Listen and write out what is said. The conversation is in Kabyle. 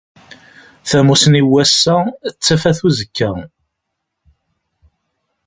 Tamusni n wass-a d tafat n uzekka